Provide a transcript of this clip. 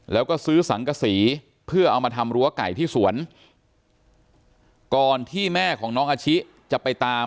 แล้วก็ซื้อสังกษีเพื่อเอามาทำรั้วไก่ที่สวนก่อนที่แม่ของน้องอาชิจะไปตาม